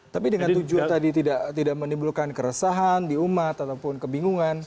tapi dengan tujuan tadi tidak menimbulkan keresahan di umat ataupun kebingungan